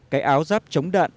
cái áo giáp chống đạn